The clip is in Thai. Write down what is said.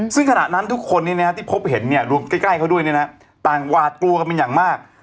ซึ่งขณะนั้นทุกคนที่พบเห็นรวมใกล้เขาด้วยต่างหวาดกลัวกันเป็นอย่างมาก